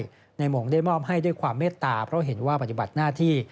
นายหมงได้มอบให้ด้วยความเมตตาเพราะเห็นว่าปฏิบัติหน้าที่